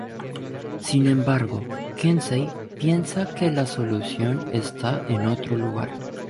Sin embargo, Kinsey piensa que la solución esta en otro lugar.